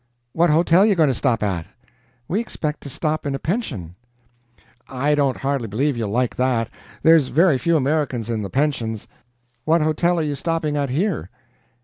"What hotel you going to stop at?" "We expect to stop in a pension." "I don't hardly believe you'll like that; there's very few Americans in the pensions. What hotel are you stopping at here?"